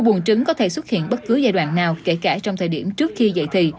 bùn trứng có thể xuất hiện bất cứ giai đoạn nào kể cả trong thời điểm trước khi dạy thì